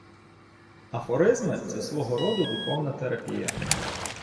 Афоризми — це свого роду духовна терапія.